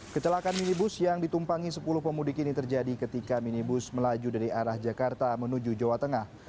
kecelakaan minibus yang ditumpangi sepuluh pemudik ini terjadi ketika minibus melaju dari arah jakarta menuju jawa tengah